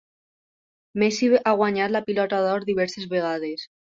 Messi ha guanyat la pilota d'or diverses vegades.